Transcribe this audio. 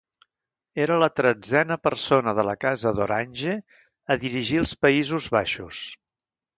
Era la tretzena persona de la casa d'Orange a dirigir els Països Baixos.